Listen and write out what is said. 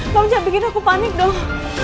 ma jangan bikin aku panik dong